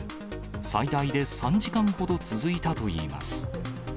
最大で３時間ほど続いたといいます。